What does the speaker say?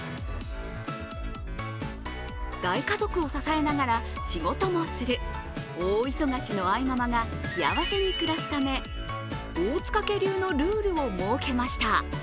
大家族を支えながら、仕事もする、大忙しの愛ママが幸せに暮らすため大塚家流のルールを設けました。